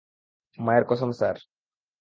মায়ের কসম স্যার।